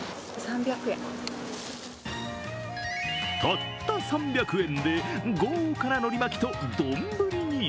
たった３００円で豪華なのり巻きと丼に。